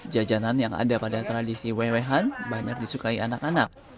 jajanan yang ada pada tradisi wewehan banyak disukai anak anak